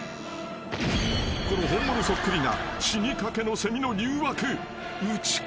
［この本物そっくりな死にかけのセミの］